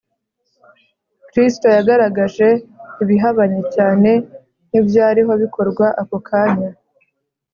kristo yagaragaje ibihabanye cyane n’ibyariho bikorwa ako kanya